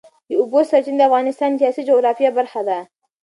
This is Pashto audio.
د اوبو سرچینې د افغانستان د سیاسي جغرافیه برخه ده.